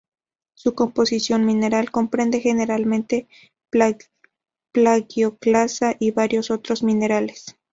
Su composición mineral comprende generalmente plagioclasa y varios otros minerales.